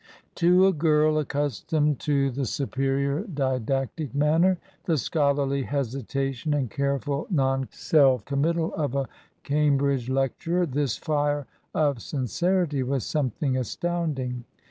To a girl accustomed to the superior, TRANSITION. loi didactic manner, the scholarly hesitation and careful non self committal of a Cambridge lecturer, this fire of sin cerity was something astounding.